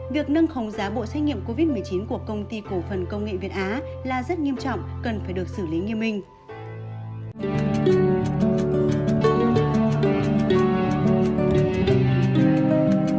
việc nâng khống giá bộ xét nghiệm covid một mươi chín của công ty cổ phần công nghệ việt á là rất nghiêm trọng cần phải được xử lý nghiêm minh